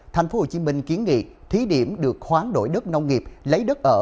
thành phố hồ chí minh kiến nghị thí điểm được khoáng đổi đất nông nghiệp lấy đất ở